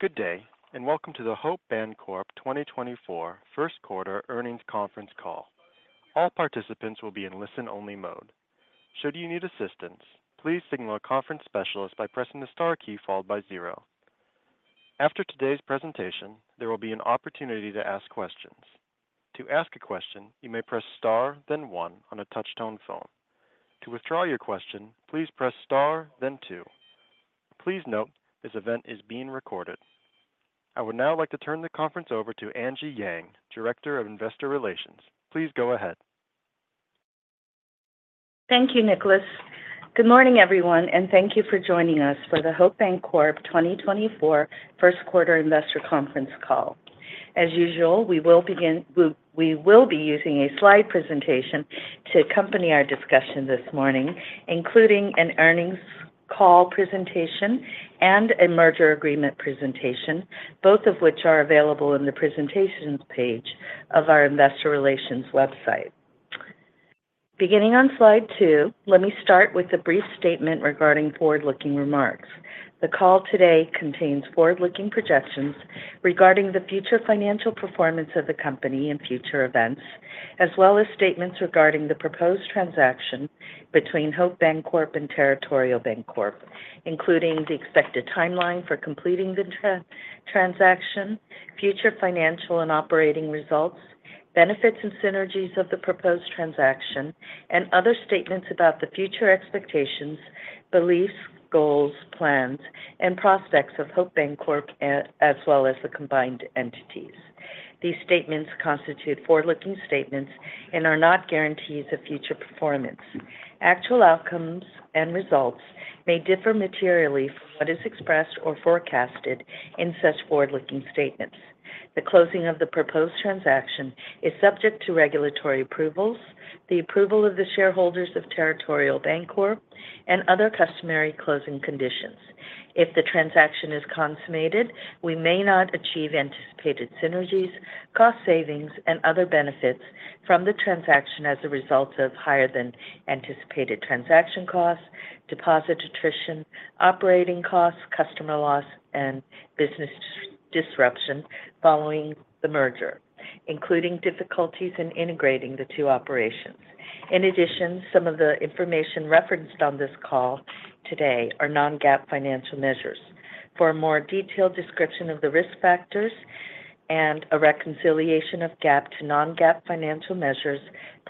Good day, and welcome to the Hope Bancorp 2024 first quarter earnings conference call. All participants will be in listen-only mode. Should you need assistance, please signal a conference specialist by pressing the star key followed by zero. After today's presentation, there will be an opportunity to ask questions. To ask a question, you may press star, then one on a touch-tone phone. To withdraw your question, please press star, then two. Please note, this event is being recorded. I would now like to turn the conference over to Angie Yang, Director of Investor Relations. Please go ahead. Thank you, Nicholas. Good morning, everyone, and thank you for joining us for the Hope Bancorp 2024 first quarter investor conference call. As usual, we will be using a slide presentation to accompany our discussion this morning, including an earnings call presentation and a merger agreement presentation, both of which are available in the presentations page of our investor relations website. Beginning on slide 2, let me start with a brief statement regarding forward-looking remarks. The call today contains forward-looking projections regarding the future financial performance of the company and future events, as well as statements regarding the proposed transaction between Hope Bancorp and Territorial Bancorp, including the expected timeline for completing the transaction, future financial and operating results, benefits and synergies of the proposed transaction, and other statements about the future expectations, beliefs, goals, plans, and prospects of Hope Bancorp, as well as the combined entities. These statements constitute forward-looking statements and are not guarantees of future performance. Actual outcomes and results may differ materially from what is expressed or forecasted in such forward-looking statements. The closing of the proposed transaction is subject to regulatory approvals, the approval of the shareholders of Territorial Bancorp, and other customary closing conditions. If the transaction is consummated, we may not achieve anticipated synergies, cost savings, and other benefits from the transaction as a result of higher than anticipated transaction costs, deposit attrition, operating costs, customer loss, and business disruption following the merger, including difficulties in integrating the two operations. In addition, some of the information referenced on this call today are non-GAAP financial measures. For a more detailed description of the risk factors and a reconciliation of GAAP to non-GAAP financial measures,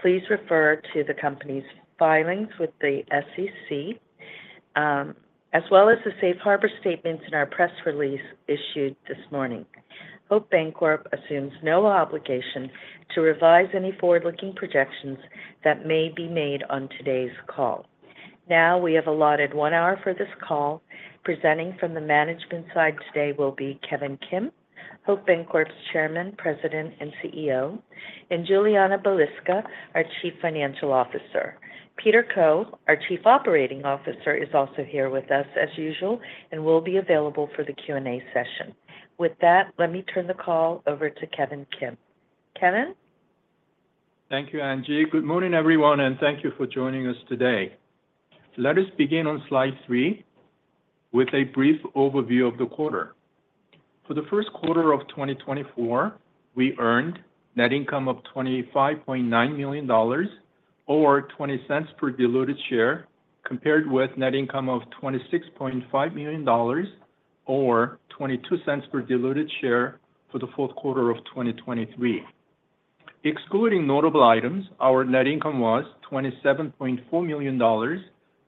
please refer to the company's filings with the SEC, as well as the safe harbor statements in our press release issued this morning. Hope Bancorp assumes no obligation to revise any forward-looking projections that may be made on today's call. Now, we have allotted one hour for this call. Presenting from the management side today will be Kevin Kim, Hope Bancorp's Chairman, President, and CEO, and Julianna Balicka, our Chief Financial Officer. Peter Koh, our Chief Operating Officer, is also here with us as usual and will be available for the Q&A session. With that, let me turn the call over to Kevin Kim. Kevin? Thank you, Angie. Good morning, everyone, and thank you for joining us today. Let us begin on slide 3 with a brief overview of the quarter. For the first quarter of 2024, we earned net income of $25.9 million or $0.20 per diluted share, compared with net income of $26.5 million or $0.22 per diluted share for the fourth quarter of 2023. Excluding notable items, our net income was $27.4 million,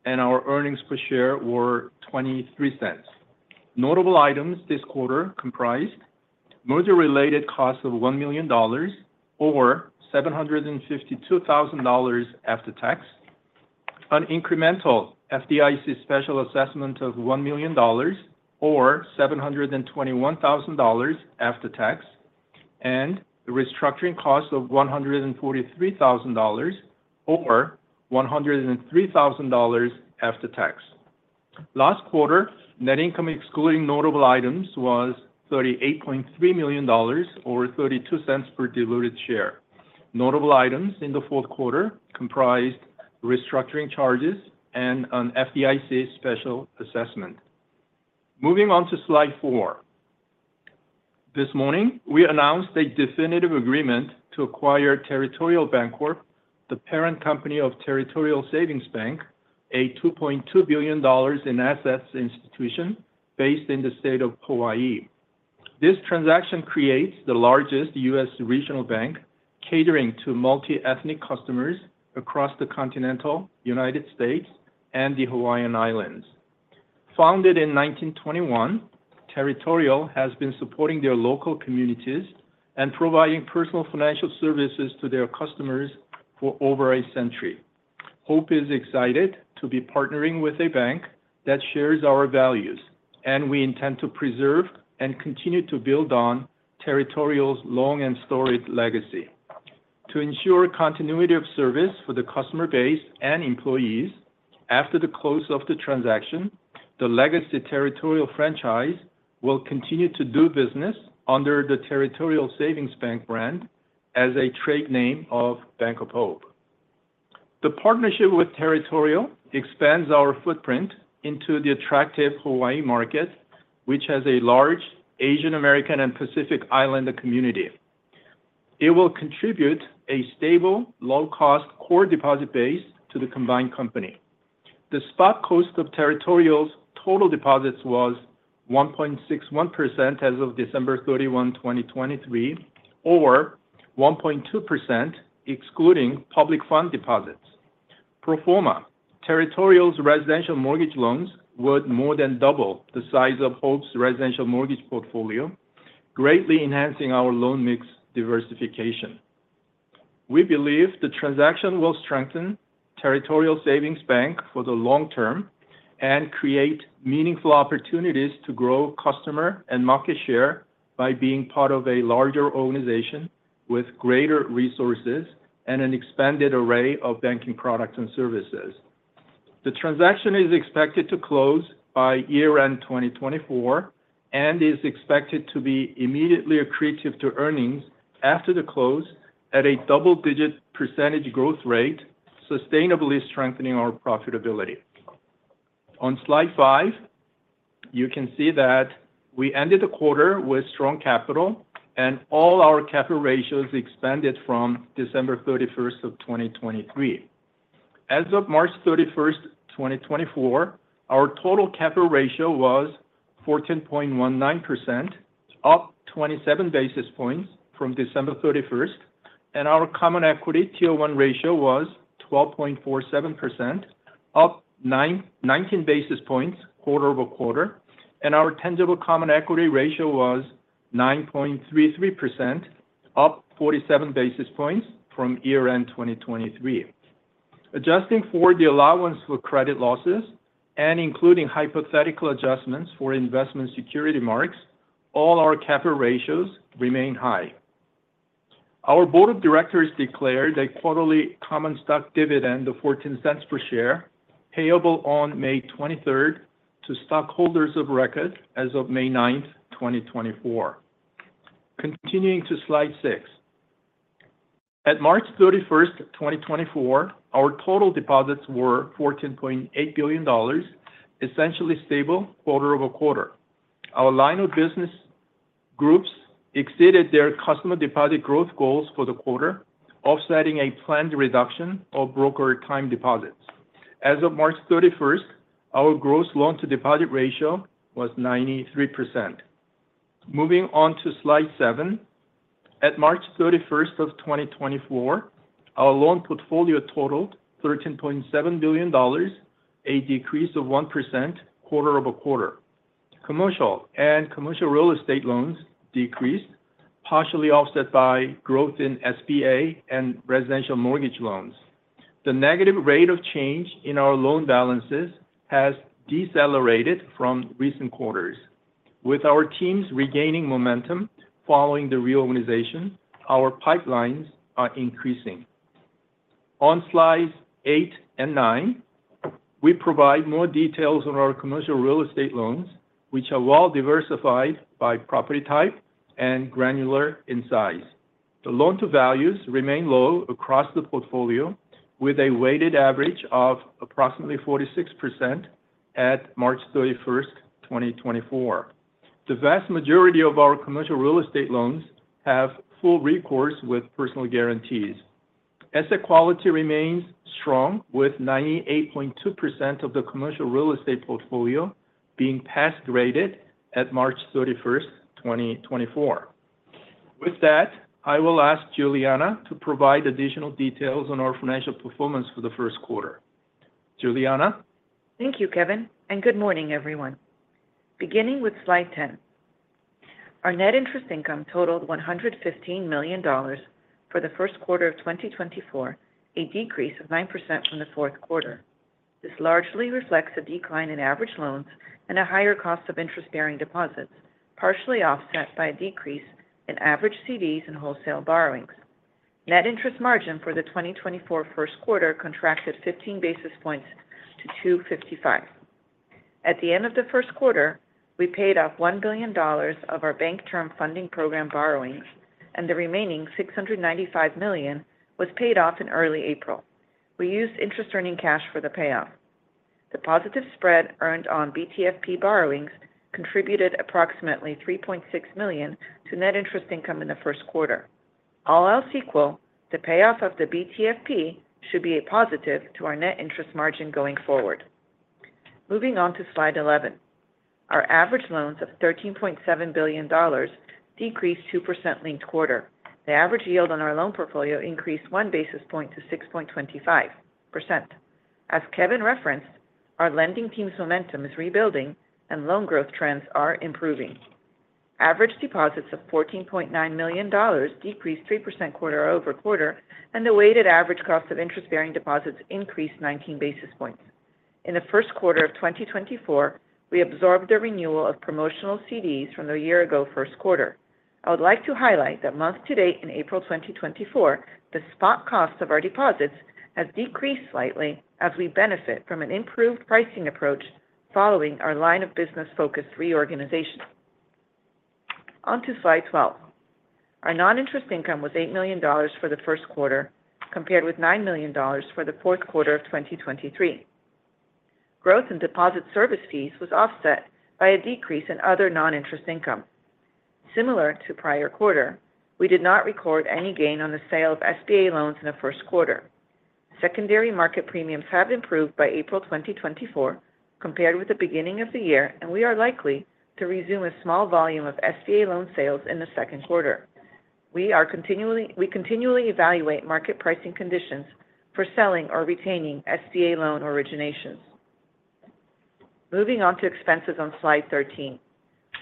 and our earnings per share were $0.23. Notable items this quarter comprised merger-related costs of $1 million or $752,000 after tax, an incremental FDIC special assessment of $1 million, or $721,000 after tax, and the restructuring costs of $143,000, or $103,000 after tax. Last quarter, net income, excluding notable items, was $38.3 million or $0.32 per diluted share. Notable items in the fourth quarter comprised restructuring charges and an FDIC special assessment. Moving on to slide 4. This morning, we announced a definitive agreement to acquire Territorial Bancorp, the parent company of Territorial Savings Bank, a $2.2 billion in assets institution based in the state of Hawaii. This transaction creates the largest U.S. regional bank catering to multi-ethnic customers across the continental United States and the Hawaiian Islands. Founded in 1921, Territorial has been supporting their local communities and providing personal financial services to their customers for over a century. Hope is excited to be partnering with a bank that shares our values, and we intend to preserve and continue to build on Territorial's long and storied legacy. To ensure continuity of service for the customer base and employees, after the close of the transaction, the legacy Territorial franchise will continue to do business under the Territorial Savings Bank brand as a trade name of Bank of Hope. The partnership with Territorial expands our footprint into the attractive Hawaii market, which has a large Asian American and Pacific Islander community. It will contribute a stable, low-cost core deposit base to the combined company. The spot cost of Territorial's total deposits was 1.61% as of December 31, 2023, or 1.2%, excluding public fund deposits. Pro forma, Territorial's residential mortgage loans would more than double the size of Hope's residential mortgage portfolio, greatly enhancing our loan mix diversification. We believe the transaction will strengthen Territorial Savings Bank for the long term and create meaningful opportunities to grow customer and market share by being part of a larger organization with greater resources and an expanded array of banking products and services. The transaction is expected to close by year-end 2024 and is expected to be immediately accretive to earnings after the close at a double-digit percentage growth rate, sustainably strengthening our profitability. On slide 5, you can see that we ended the quarter with strong capital, and all our capital ratios expanded from December 31, 2023. As of March 31, 2024, our Total Capital Ratio was 14.19%, up 27 basis points from December 31, and our Common Equity Tier 1 Ratio was 12.47%, up nineteen basis points quarter-over-quarter, and our Tangible Common Equity Ratio was 9.33%, up 47 basis points from year-end 2023. Adjusting for the Allowance for Credit Losses and including hypothetical adjustments for investment security marks, all our capital ratios remain high. Our board of directors declared a quarterly common stock dividend of $0.14 per share, payable on May 23, to stockholders of record as of May 9, 2024. Continuing to slide 6. At March 31, 2024, our total deposits were $14.8 billion, essentially stable quarter-over-quarter. Our line of business groups exceeded their customer deposit growth goals for the quarter, offsetting a planned reduction of brokered time deposits. As of March 31, our gross loan-to-deposit ratio was 93%. Moving on to Slide 7. At March 31, 2024, our loan portfolio totaled $13.7 billion, a decrease of 1% quarter-over-quarter. Commercial and commercial real estate loans decreased, partially offset by growth in SBA and residential mortgage loans. The negative rate of change in our loan balances has decelerated from recent quarters. With our teams regaining momentum following the reorganization, our pipelines are increasing. On Slides 8 and 9, we provide more details on our commercial real estate loans, which are well diversified by property type and granular in size. The loan-to-values remain low across the portfolio, with a weighted average of approximately 46% at March 31, 2024. The vast majority of our commercial real estate loans have full recourse with personal guarantees. Asset quality remains strong, with 98.2% of the commercial real estate portfolio being pass graded at March 31, 2024. With that, I will ask Julianna to provide additional details on our financial performance for the first quarter. Julianna? Thank you, Kevin, and good morning, everyone. Beginning with Slide 10. Our net interest income totaled $115 million for the first quarter of 2024, a decrease of 9% from the fourth quarter. This largely reflects a decline in average loans and a higher cost of interest-bearing deposits, partially offset by a decrease in average CDs and wholesale borrowings. Net interest margin for the 2024 first quarter contracted 15 basis points to 255. At the end of the first quarter, we paid off $1 billion of our Bank Term Funding Program borrowings, and the remaining $695 million was paid off in early April. We used interest earning cash for the payoff. The positive spread earned on BTFP borrowings contributed approximately $3.6 million to net interest income in the first quarter. All else equal, the payoff of the BTFP should be a positive to our net interest margin going forward. Moving on to Slide 11. Our average loans of $13.7 billion decreased 2% linked-quarter. The average yield on our loan portfolio increased 1 basis point to 6.25%. As Kevin referenced, our lending team's momentum is rebuilding and loan growth trends are improving. Average deposits of $14.9 million decreased 3% quarter-over-quarter, and the weighted average cost of interest-bearing deposits increased 19 basis points. In the first quarter of 2024, we absorbed the renewal of promotional CDs from the year-ago first quarter. I would like to highlight that month to date in April 2024, the spot costs of our deposits have decreased slightly as we benefit from an improved pricing approach following our line of business-focused reorganization. On to Slide 12. Our non-interest income was $8 million for the first quarter, compared with $9 million for the fourth quarter of 2023. Growth in deposit service fees was offset by a decrease in other non-interest income. Similar to prior quarter, we did not record any gain on the sale of SBA loans in the first quarter. Secondary market premiums have improved by April 2024, compared with the beginning of the year, and we are likely to resume a small volume of SBA loan sales in the second quarter. We continually evaluate market pricing conditions for selling or retaining SBA loan originations. Moving on to expenses on Slide 13.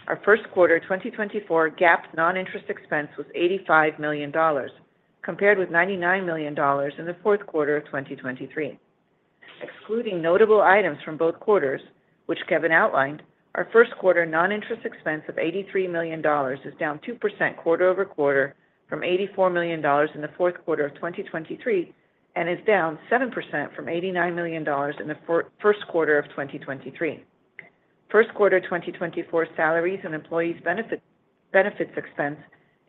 Our first quarter 2024 GAAP non-interest expense was $85 million, compared with $99 million in the fourth quarter of 2023. Excluding notable items from both quarters, which Kevin outlined, our first quarter non-interest expense of $83 million is down 2% quarter-over-quarter from $84 million in the fourth quarter of 2023, and is down 7% from $89 million in the first quarter of 2023. First quarter 2024 salaries and employee benefits expense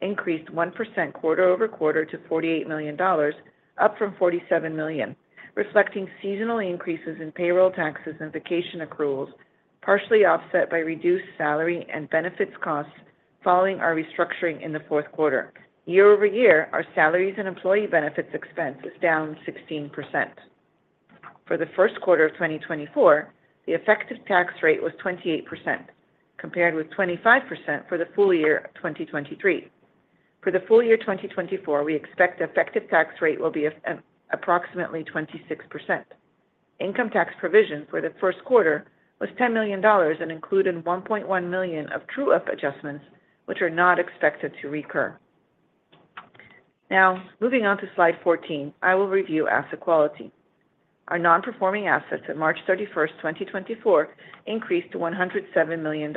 increased 1% quarter-over-quarter to $48 million, up from $47 million, reflecting seasonal increases in payroll taxes and vacation accruals, partially offset by reduced salary and benefits costs following our restructuring in the fourth quarter. Year-over-year, our salaries and employee benefits expense is down 16%. For the first quarter of 2024, the effective tax rate was 28%, compared with 25% for the full year of 2023. For the full year 2024, we expect effective tax rate will be approximately 26%. Income tax provision for the first quarter was $10 million and included $1.1 million of true up adjustments, which are not expected to recur. Now, moving on to Slide 14, I will review asset quality. Our non-performing assets at March 31, 2024, increased to $107 million,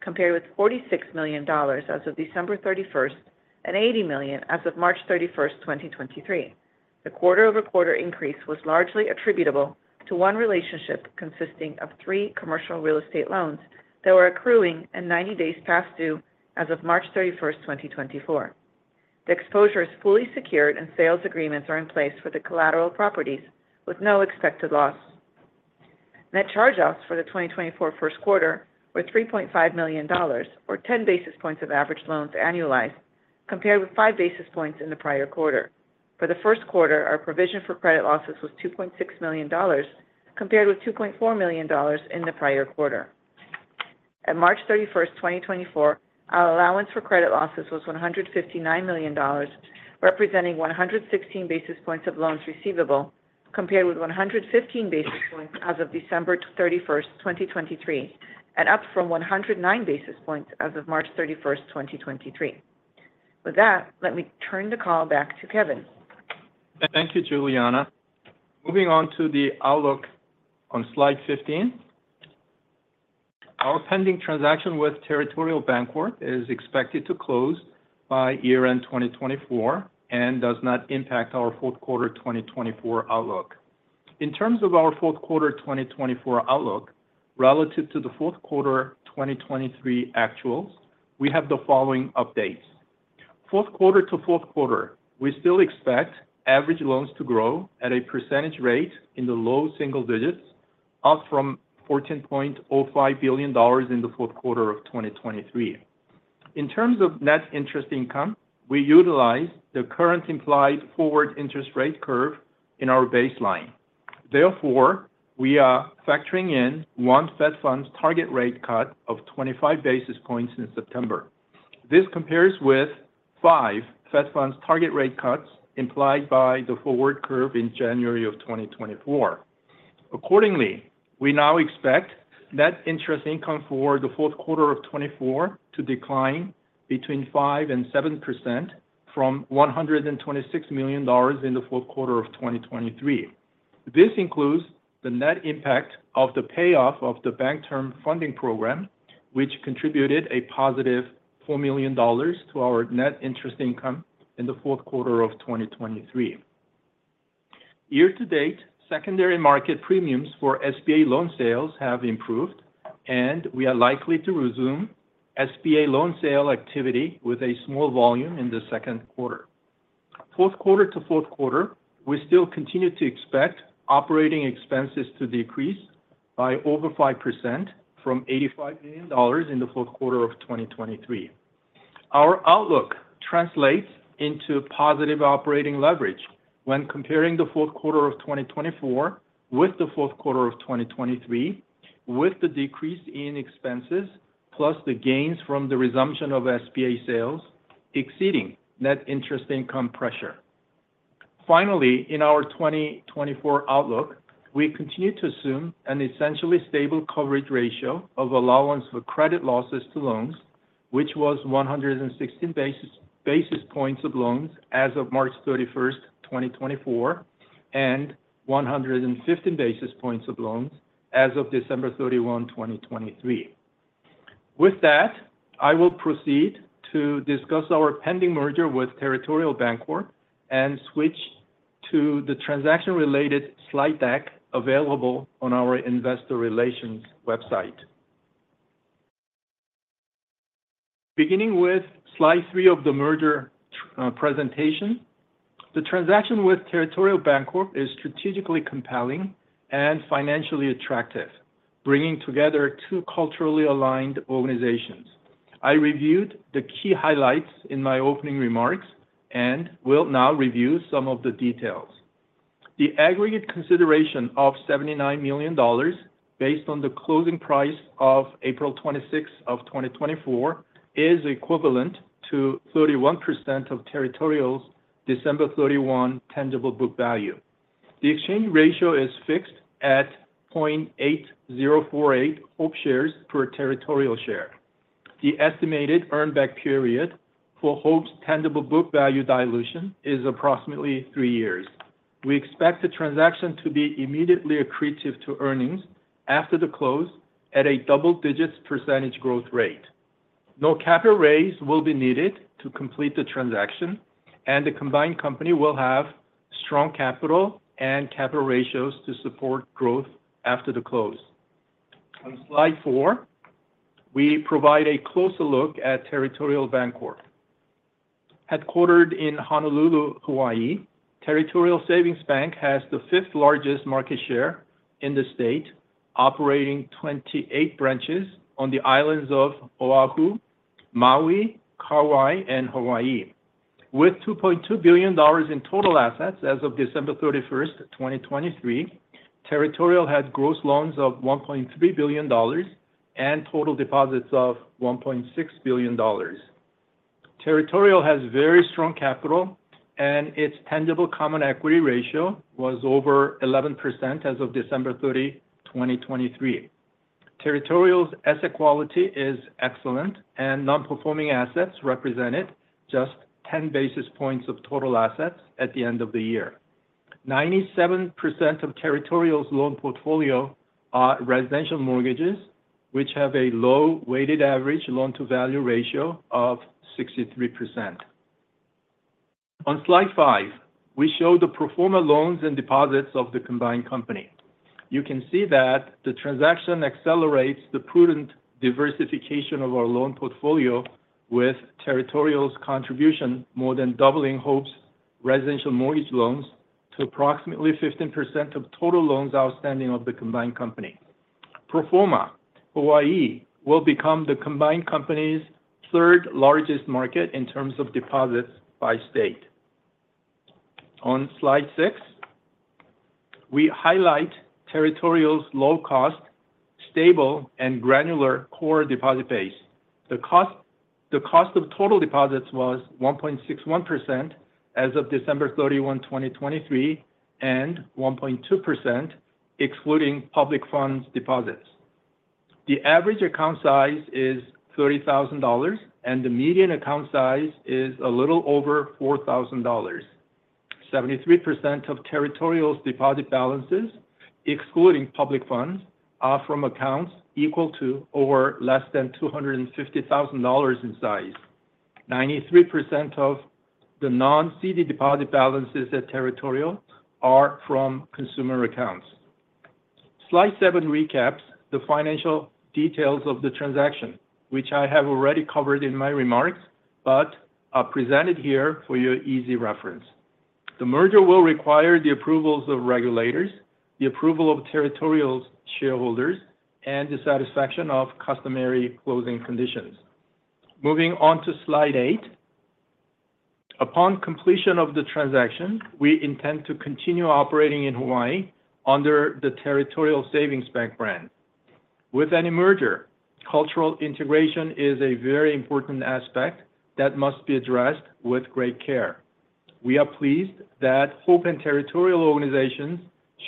compared with $46 million as of December 31, 2023, and $80 million as of March 31, 2023. The quarter-over-quarter increase was largely attributable to one relationship consisting of three commercial real estate loans that were accruing and 90 days past due as of March 31, 2024. The exposure is fully secured, and sales agreements are in place for the collateral properties with no expected loss. Net charge-offs for the 2024 first quarter were $3.5 million, or 10 basis points of average loans annualized, compared with 5 basis points in the prior quarter. For the first quarter, our provision for credit losses was $2.6 million, compared with $2.4 million in the prior quarter. At March 31, 2024, our allowance for credit losses was $159 million, representing 116 basis points of loans receivable, compared with 115 basis points as of December 31, 2023, and up from 109 basis points as of March 31, 2023. With that, let me turn the call back to Kevin. Thank you, Julianna. Moving on to the outlook on Slide 15. Our pending transaction with Territorial Bancorp is expected to close by year-end 2024 and does not impact our fourth quarter 2024 outlook. In terms of our fourth quarter 2024 outlook, relative to the fourth quarter 2023 actuals, we have the following updates. Fourth quarter to fourth quarter, we still expect average loans to grow at a percentage rate in the low single digits, up from $14.05 billion in the fourth quarter of 2023. In terms of net interest income, we utilize the current implied forward interest rate curve in our baseline. Therefore, we are factoring in 1 Fed Funds target rate cut of 25 basis points in September. This compares with 5 Fed Funds target rate cuts implied by the forward curve in January of 2024. Accordingly, we now expect net interest income for the fourth quarter of 2024 to decline between 5% and 7% from $126 million in the fourth quarter of 2023. This includes the net impact of the payoff of the Bank Term Funding Program, which contributed a positive $4 million to our net interest income in the fourth quarter of 2023. Year to date, secondary market premiums for SBA loan sales have improved, and we are likely to resume SBA loan sale activity with a small volume in the second quarter. Fourth quarter to fourth quarter, we still continue to expect operating expenses to decrease by over 5% from $85 million in the fourth quarter of 2023. Our outlook translates into positive operating leverage when comparing the fourth quarter of 2024 with the fourth quarter of 2023, with the decrease in expenses, plus the gains from the resumption of SBA sales exceeding net interest income pressure. Finally, in our 2024 outlook, we continue to assume an essentially stable coverage ratio of allowance for credit losses to loans, which was 116 basis points of loans as of March 31, 2024, and 115 basis points of loans as of December 31, 2023. With that, I will proceed to discuss our pending merger with Territorial Bancorp and switch-... to the transaction-related slide deck available on our investor relations website. Beginning with slide 3 of the merger presentation, the transaction with Territorial Bancorp is strategically compelling and financially attractive, bringing together two culturally aligned organizations. I reviewed the key highlights in my opening remarks and will now review some of the details. The aggregate consideration of $79 million, based on the closing price of April 26, 2024, is equivalent to 31% of Territorial's December 31 tangible book value. The exchange ratio is fixed at 0.8048 Hope shares per Territorial share. The estimated earn back period for Hope's tangible book value dilution is approximately 3 years. We expect the transaction to be immediately accretive to earnings after the close at a double-digit % growth rate. No capital raise will be needed to complete the transaction, and the combined company will have strong capital and capital ratios to support growth after the close. On slide 4, we provide a closer look at Territorial Bancorp. Headquartered in Honolulu, Hawaii, Territorial Savings Bank has the fifth largest market share in the state, operating 28 branches on the islands of Oahu, Maui, Kauai, and Hawaii. With $2.2 billion in total assets as of December 31, 2023, Territorial had gross loans of $1.3 billion and total deposits of $1.6 billion. Territorial has very strong capital, and its tangible common equity ratio was over 11% as of December 30, 2023. Territorial's asset quality is excellent, and non-performing assets represented just 10 basis points of total assets at the end of the year. 97% of Territorial's loan portfolio are residential mortgages, which have a low weighted average loan-to-value ratio of 63%. On slide five, we show the pro forma loans and deposits of the combined company. You can see that the transaction accelerates the prudent diversification of our loan portfolio, with Territorial's contribution more than doubling Hope's residential mortgage loans to approximately 15% of total loans outstanding of the combined company. Pro forma, Hawaii will become the combined company's third largest market in terms of deposits by state. On slide 6, we highlight Territorial's low cost, stable, and granular core deposit base. The cost of total deposits was 1.61% as of December 31, 2023, and 1.2%, excluding public funds deposits. The average account size is $30,000, and the median account size is a little over $4,000. 73% of Territorial's deposit balances, excluding public funds, are from accounts equal to or less than $250,000 in size. 93% of the non-CD deposit balances at Territorial are from consumer accounts. Slide 7 recaps the financial details of the transaction, which I have already covered in my remarks, but are presented here for your easy reference. The merger will require the approvals of regulators, the approval of Territorial's shareholders, and the satisfaction of customary closing conditions. Moving on to slide 8. Upon completion of the transaction, we intend to continue operating in Hawaii under the Territorial Savings Bank brand. With any merger, cultural integration is a very important aspect that must be addressed with great care. We are pleased that Hope and Territorial organizations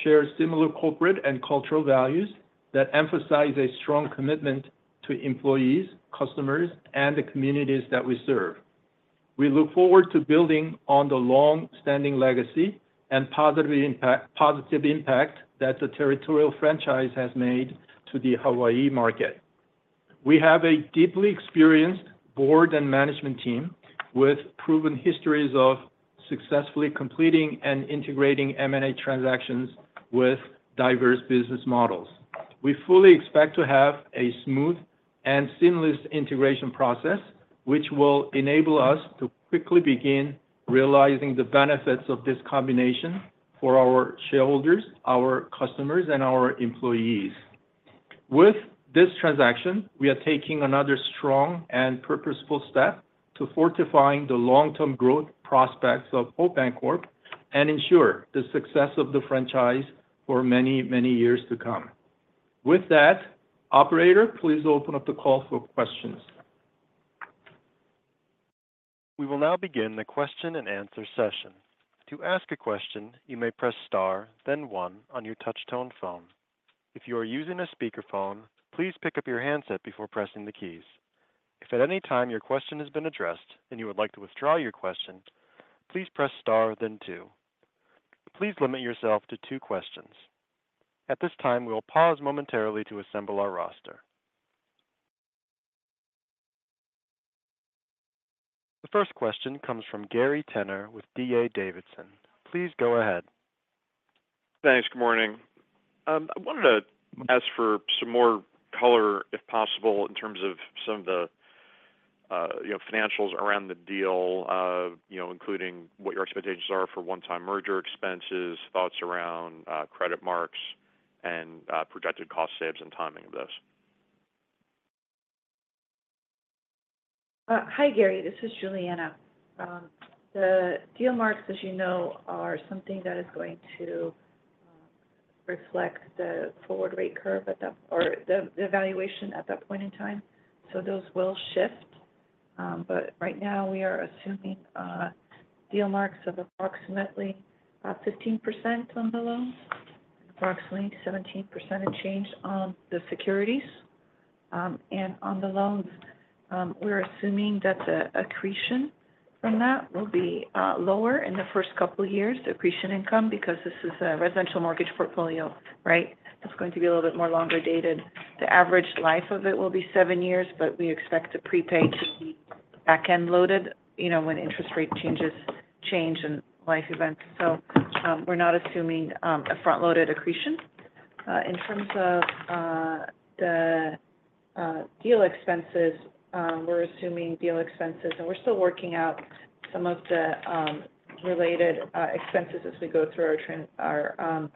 share similar corporate and cultural values that emphasize a strong commitment to employees, customers, and the communities that we serve. We look forward to building on the long-standing legacy and positive impact that the Territorial franchise has made to the Hawaii market. We have a deeply experienced board and management team with proven histories of successfully completing and integrating M&A transactions with diverse business models. We fully expect to have a smooth and seamless integration process, which will enable us to quickly begin realizing the benefits of this combination for our shareholders, our customers, and our employees. With this transaction, we are taking another strong and purposeful step to fortifying the long-term growth prospects of Hope Bancorp and ensure the success of the franchise for many, many years to come. With that, operator, please open up the call for questions. We will now begin the question and answer session. To ask a question, you may press star, then one on your touchtone phone. If you are using a speakerphone, please pick up your handset before pressing the keys. If at any time your question has been addressed and you would like to withdraw your question, please press star, then two. Please limit yourself to two questions. At this time, we will pause momentarily to assemble our roster. The first question comes from Gary Tenner with D.A. Davidson. Please go ahead. Thanks. Good morning. I wanted to ask for some more color, if possible, in terms of some of the, you know, financials around the deal, you know, including what your expectations are for one-time merger expenses, thoughts around credit marks, and projected cost saves and timing of this. Hi, Gary. This is Julianna. The deal marks, as you know, are something that is going to reflect the forward rate curve at that... or the valuation at that point in time. So those will shift. But right now, we are assuming deal marks of approximately 15% on the loan, approximately 17% change on the securities. And on the loans, we're assuming that the accretion from that will be lower in the first couple years, the accretion income, because this is a residential mortgage portfolio, right? It's going to be a little bit more longer dated. The average life of it will be 7 years, but we expect the prepay to be back-end loaded, you know, when interest rate changes change and life events. So, we're not assuming a front-loaded accretion. In terms of the deal expenses, we're assuming deal expenses, and we're still working out some of the related expenses as we go through our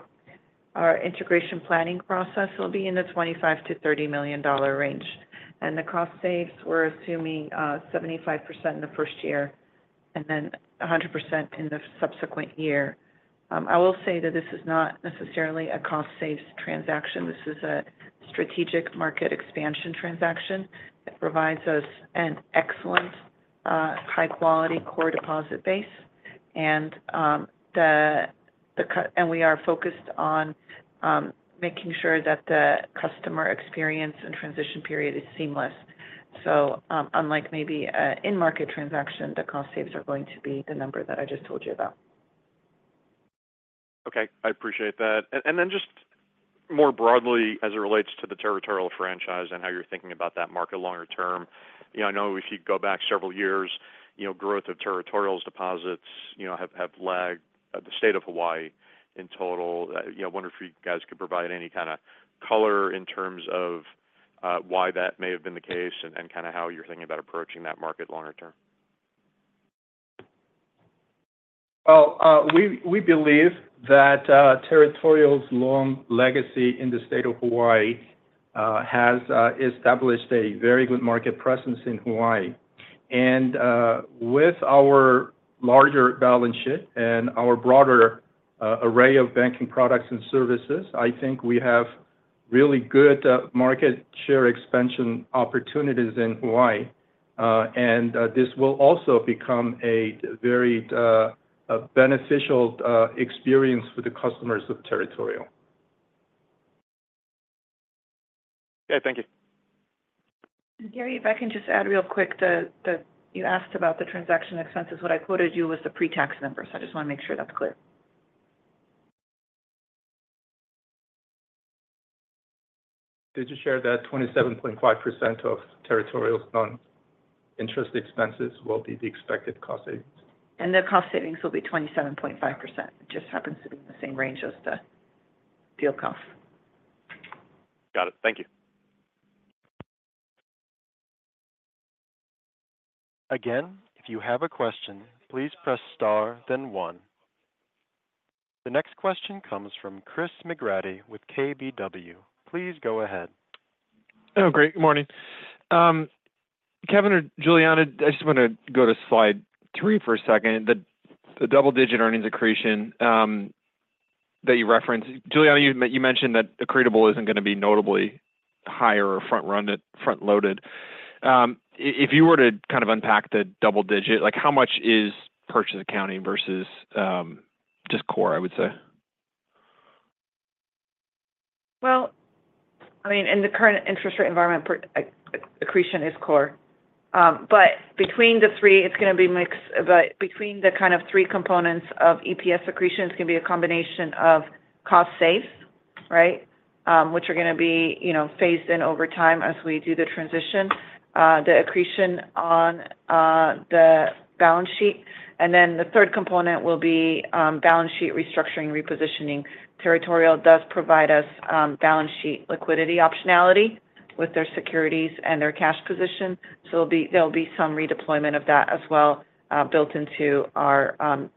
integration planning process. It'll be in the $25 million-$30 million range. And the cost saves, we're assuming, 75% in the first year and then 100% in the subsequent year. I will say that this is not necessarily a cost saves transaction. This is a strategic market expansion transaction. It provides us an excellent high-quality core deposit base. And and we are focused on making sure that the customer experience and transition period is seamless. So, unlike maybe a in-market transaction, the cost saves are going to be the number that I just told you about. Okay, I appreciate that. And, and then just more broadly, as it relates to the Territorial franchise and how you're thinking about that market longer term, you know, I know if you go back several years, you know, growth of Territorial's deposits, you know, have lagged at the state of Hawaii in total. You know, I wonder if you guys could provide any kind of color in terms of why that may have been the case and kind of how you're thinking about approaching that market longer term. Well, we believe that Territorial's long legacy in the state of Hawaii has established a very good market presence in Hawaii. And, with our larger balance sheet and our broader array of banking products and services, I think we have really good market share expansion opportunities in Hawaii. And, this will also become a very beneficial experience for the customers of Territorial. Okay, thank you. And Gary, if I can just add real quick that you asked about the transaction expenses. What I quoted you was the pre-tax numbers. I just want to make sure that's clear. Did you share that 27.5% of Territorial's non-interest expenses will be the expected cost savings? The cost savings will be 27.5%. It just happens to be in the same range as the deal cost. Got it. Thank you. Again, if you have a question, please press star, then one. The next question comes from Chris McGratty with KBW. Please go ahead. Oh, great. Good morning. Kevin or Julianna, I just want to go to slide three for a second. The double-digit earnings accretion that you referenced. Julianna, you mentioned that accretable isn't going to be notably higher or front-loaded. If you were to kind of unpack the double digit, like, how much is purchase accounting versus just core, I would say? Well, I mean, in the current interest rate environment, purchase accretion is core. But between the three, it's going to be mixed. But between the kind of three components of EPS accretions, it's going to be a combination of cost saves, right, which are going to be, you know, phased in over time as we do the transition, the accretion on the balance sheet, and then the third component will be balance sheet restructuring, repositioning. Territorial does provide us balance sheet liquidity optionality with their securities and their cash position, so there'll be, there'll be some redeployment of that as well, built into our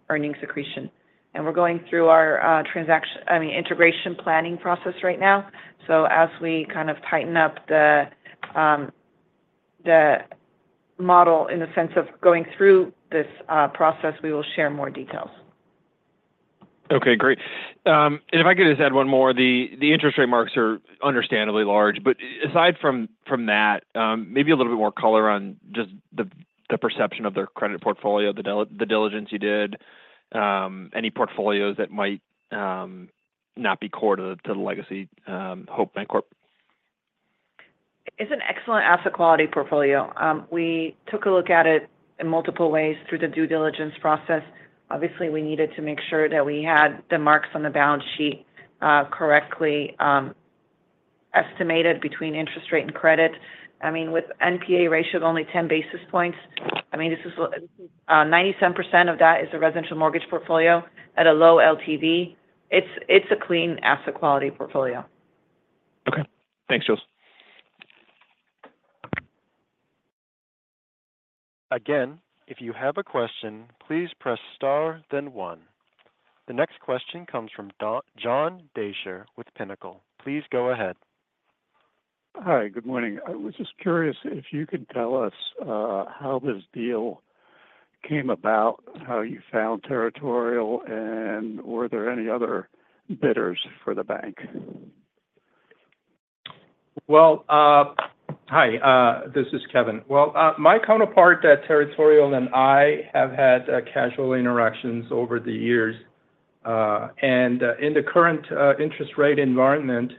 earnings accretion. And we're going through our integration planning process right now. So as we kind of tighten up the model in the sense of going through this process, we will share more details. Okay, great. And if I could just add one more. The interest rate marks are understandably large, but aside from that, maybe a little bit more color on just the perception of their credit portfolio, the diligence you did, any portfolios that might not be core to the legacy Hope Bancorp? It's an excellent asset quality portfolio. We took a look at it in multiple ways through the due diligence process. Obviously, we needed to make sure that we had the marks on the balance sheet correctly estimated between interest rate and credit. I mean, with NPA ratio of only 10 basis points, I mean, this is, 97% of that is a residential mortgage portfolio at a low LTV. It's a clean asset quality portfolio. Okay. Thanks, Jules. Again, if you have a question, please press star, then one. The next question comes from John Deysher with Pinnacle. Please go ahead. Hi, good morning. I was just curious if you could tell us how this deal came about, how you found Territorial, and were there any other bidders for the bank? Well, hi, this is Kevin. Well, my counterpart at Territorial and I have had casual interactions over the years. In the current interest rate environment,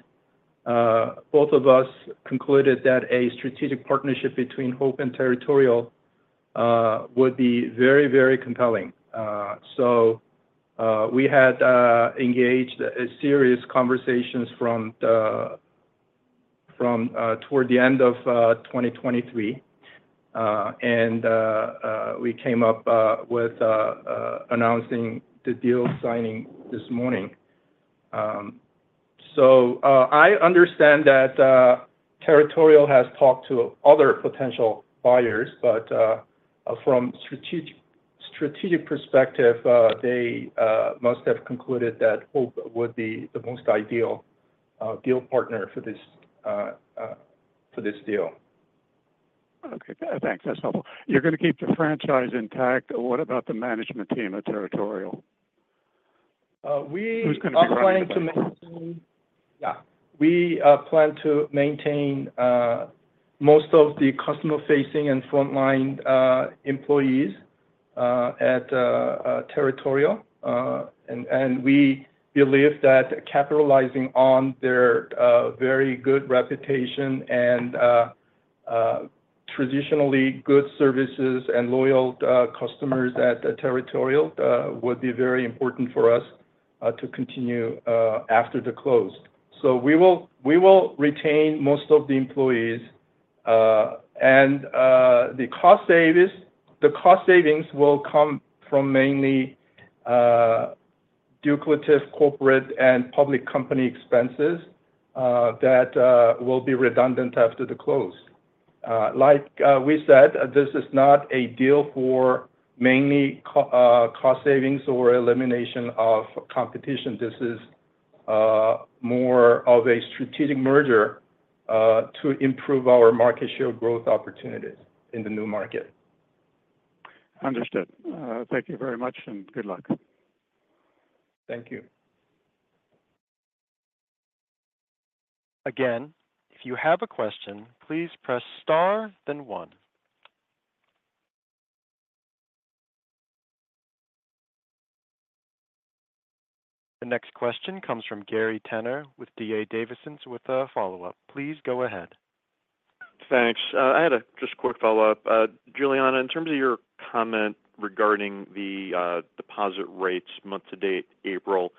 both of us concluded that a strategic partnership between Hope and Territorial would be very, very compelling. So, we had engaged in serious conversations toward the end of 2023. And we came up with announcing the deal signing this morning. So, I understand that Territorial has talked to other potential buyers, but from a strategic perspective, they must have concluded that Hope would be the most ideal deal partner for this deal. Okay, good. Thanks. That's helpful. You're gonna keep the franchise intact, or what about the management team at Territorial? We. Who's gonna be running the bank? Yeah. We plan to maintain most of the customer-facing and frontline employees at Territorial. And we believe that capitalizing on their very good reputation and traditionally good services and loyal customers at Territorial would be very important for us to continue after the close. So we will retain most of the employees. And the cost savings will come from mainly duplicative corporate and public company expenses that will be redundant after the close. Like we said, this is not a deal for mainly cost savings or elimination of competition. This is more of a strategic merger to improve our market share growth opportunities in the new market. Understood. Thank you very much, and good luck. Thank you. Again, if you have a question, please press star, then one. The next question comes from Gary Tenner with D.A. Davidson, with a follow-up. Please go ahead. Thanks. I had a just quick follow-up. Julianna, in terms of your comment regarding the deposit rates month to date, April,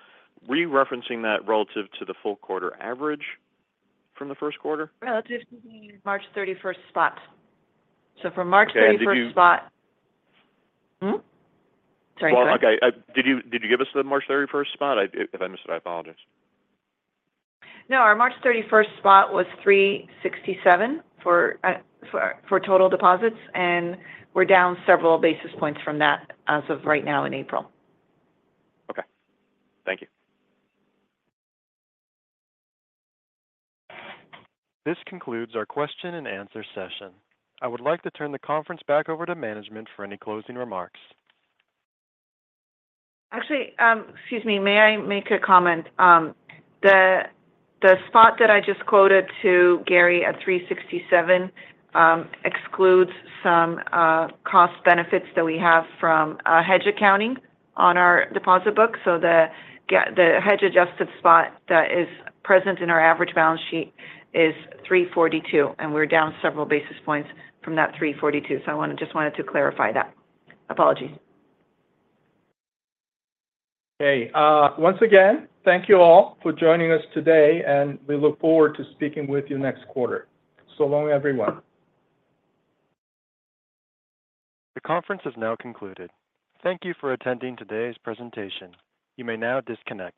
were you referencing that relative to the full quarter average from the first quarter? Relative to the March 31st spot. So from March 31st spot. Okay, did you. Sorry. Well, okay. Did you give us the March thirty-first spot? If I missed it, I apologize. No, our March 31st spot was 367 for total deposits, and we're down several basis points from that as of right now in April. Okay. Thank you. This concludes our question and answer session. I would like to turn the conference back over to management for any closing remarks. Actually, excuse me, may I make a comment? The spot that I just quoted to Gary at 367 excludes some cost benefits that we have from hedge accounting on our deposit book. So the hedge-adjusted spot that is present in our average balance sheet is 342, and we're down several basis points from that 342. So I want to just wanted to clarify that. Apologies. Okay. Once again, thank you all for joining us today, and we look forward to speaking with you next quarter. So long, everyone. The conference has now concluded. Thank you for attending today's presentation. You may now disconnect.